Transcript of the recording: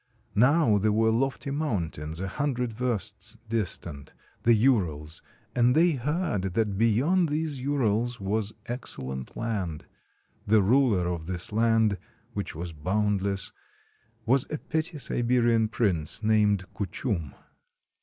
Now there were lofty mountains a hun dred versts distant, the Urals, and they heard that beyond these Urals was excellent land. The ruler of this land, which was boundless, was a petty Siberian prince named Kuchum.